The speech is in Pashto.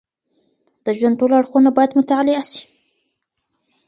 د ژوند ټول اړخونه باید مطالعه سي.